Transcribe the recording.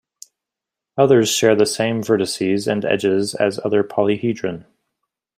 Others share the same vertices and edges as other polyhedron.